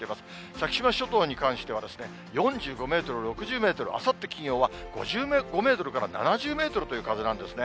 先島諸島に関しては４５メートル、６０メートル、あさって金曜は５５メートルから７０メートルという風なんですね。